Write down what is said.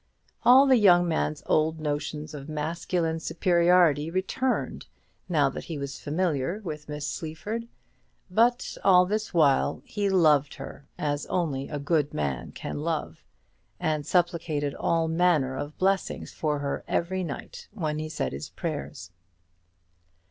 All the young man's old notions of masculine superiority returned now that he was familiar with Miss Sleaford; but all this while he loved her as only a good man can love, and supplicated all manner of blessings for her every night when he said his prayers.